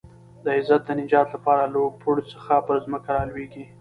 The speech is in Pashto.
د عزت د نجات لپاره له پوړ څخه پر ځمکه رالوېږي.